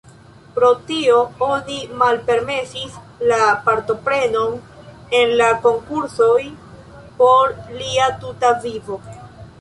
Pro tio oni malpermesis la partoprenon en la konkursoj por lia tuta vivo.